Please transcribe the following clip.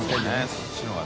そっちの方が。